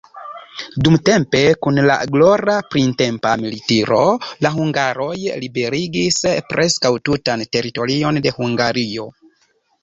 Dumtempe, kun la glora printempa militiro, la hungaroj liberigis preskaŭ tutan teritorion de Hungario.